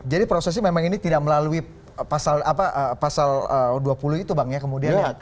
jadi prosesnya memang ini tidak melalui pasal dua puluh itu bang ya kemudian